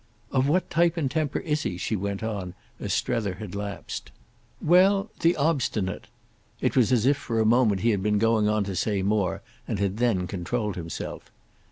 "Of what type and temper is he?" she went on as Strether had lapsed. "Well—the obstinate." It was as if for a moment he had been going to say more and had then controlled himself.